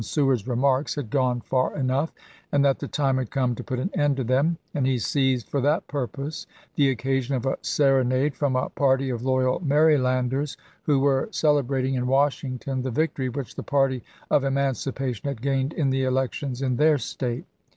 Seward's remarks had gone far enough, and that the time had come to put an end to them, and he seized, for that purpose, the occasion of a serenade from a party of loyal Marylanders who were cele brating in Washington the victory which the party of emancipation had gained in the elections in their State.